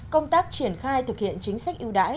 công tác triển khai thực hiện chính sách ưu đãi